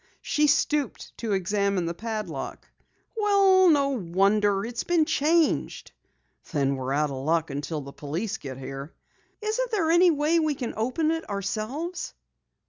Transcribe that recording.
She stooped to examine the padlock. "Well, no wonder! It's been changed." "Then we're out of luck until the police get here." "Isn't there any way we can open it ourselves?"